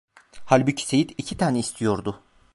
Halbuki Seyit iki tane istiyordu…